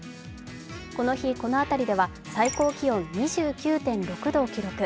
この日、この辺りでは最高気温２９．６度を記録。